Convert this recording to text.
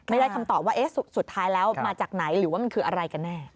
ไม่ได้คำตอบว่าสุดท้ายแล้วมาจากไหนหรือว่ามันคืออะไรกันแน่